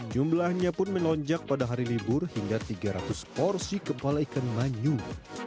jumlahnya pun melonjak pada hari libur hingga tiga ratus porsi kepala ikan banyu